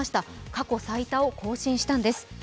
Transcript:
過去最多を更新したんです。